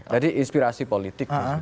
jadi inspirasi politik